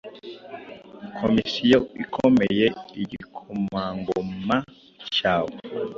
komisiyo ikomeye igikomangoma cyawe